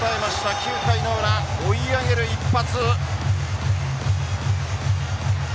９回の裏、追い上げる１発。